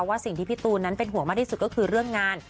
สิ่งที่พี่ตูนนั้นเป็นห่วงมากที่สุดก็คือเรื่องงาน